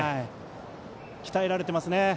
鍛えられていますね。